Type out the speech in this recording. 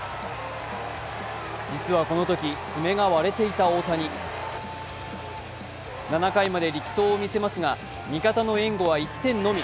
実はこのとき、爪が割れていた大谷７回まで力投を見せますが、味方の援護は１点のみ。